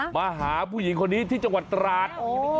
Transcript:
มาหาผู้หญิงคนนี้ที่จังหวัดตราด